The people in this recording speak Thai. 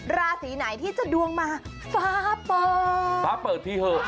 ราศีไหนที่จะดวงมาฟ้าเปิด